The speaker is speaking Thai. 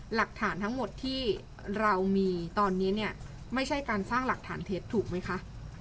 หลักฐานทั้งหมดที่เรามีตอนนี้เนี่ยไม่ใช่การสร้างหลักฐานเท็จถูกไหมคะ